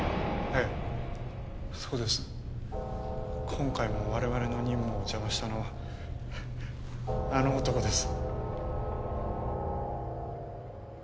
今回も我々の任務を邪魔したのはあの男です。